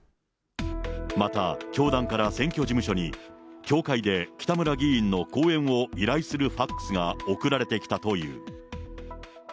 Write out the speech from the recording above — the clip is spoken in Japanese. また、教団から選挙事務所に、教会で北村議員の講演を依頼するファックスが送られてきたという。